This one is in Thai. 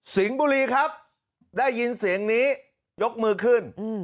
บุรีครับได้ยินเสียงนี้ยกมือขึ้น